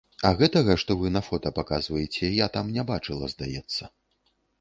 А гэтага, што вы на фота паказваеце, я там не бачыла, здаецца.